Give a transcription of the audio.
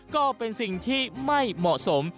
ก็เป็นสิ่งที่ไม่เหมาะสม